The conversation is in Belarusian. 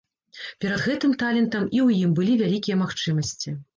Перад гэтым талентам і ў ім былі вялікія магчымасці.